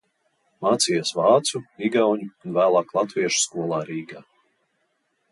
Mācījies vācu, igauņu un vēlāk latviešu skolā Rīgā.